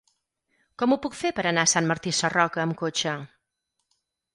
Com ho puc fer per anar a Sant Martí Sarroca amb cotxe?